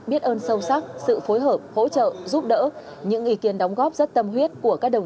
biết ơn sâu sắc sự phối hợp hỗ trợ giúp đỡ những ý kiến đóng góp rất tâm huyết của các đồng